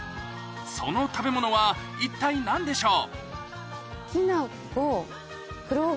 その食べ物は一体何でしょう？